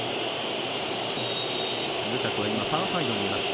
ルカクはファーサイドにいます。